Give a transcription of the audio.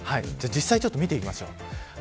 実際ちょっと見ていきましょう。